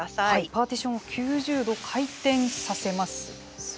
パーティションを９０度回転させます。